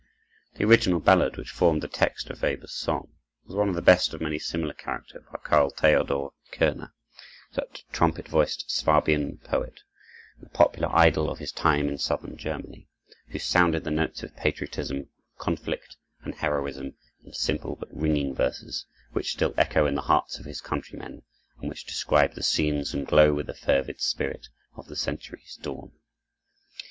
The original ballad, which formed the text of Weber's song, was one of the best of many of similar character by Karl Theodor Körner, that trumpet voiced Swabian poet, the popular idol of his time in southern Germany, who sounded the notes of patriotism, conflict, and heroism in simple but ringing verses, which still echo in the hearts of his countrymen, and which describe the scenes, and glow with the fervid spirit of the century's dawn.